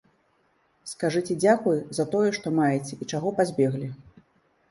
Скажыце дзякуй, за тое, што маеце і чаго пазбеглі.